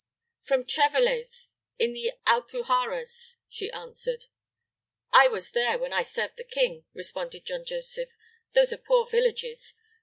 "From Treveles, in the Alpujarras," she answered. "I was there when I served the king," responded John Joseph. "Those are poor villages.